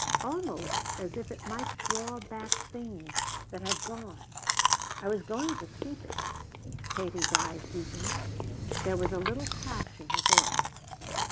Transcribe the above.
Almost as if it might draw back things that had gone. I was going to keep it " Katie's eyes deepened, there was a little catch in her voice.